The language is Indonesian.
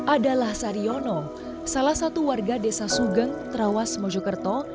adalah saryono salah satu warga desa sugeng trawas mojokerto